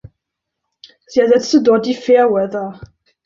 Sie ersetzte dort die "Fairweather".